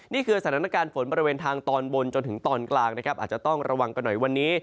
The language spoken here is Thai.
นี่คือสถานการณ์ฝนบริเวณทางตอนบนจนถึงตอนกลางนะครับอาจจะต้องระวังกันหน่อยวันนี้